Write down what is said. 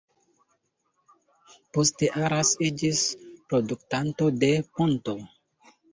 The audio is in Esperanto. Poste Arras iĝis produktanto de punto.